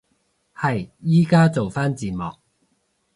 係，依家做返字幕